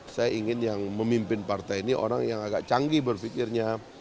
saya ingin yang memimpin partai ini orang yang agak canggih berpikirnya